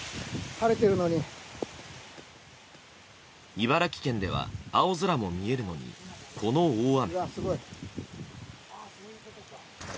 茨城県では青空も見えるのにこの大雨。